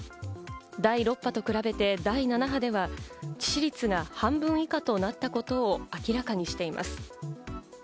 第６波と比べて第７波では致死率が半分以下となったことを明らかにしています。